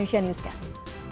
mas dany terima kasih